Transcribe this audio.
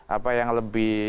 apa yang lebih